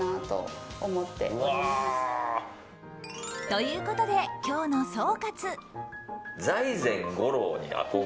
ということで、今日の総括。